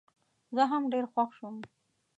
زه هم ډېر خوښ شوم.